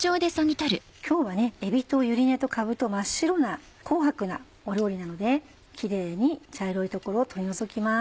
今日はえびとゆり根とかぶと真っ白な紅白な料理なのでキレイに茶色い所を取り除きます。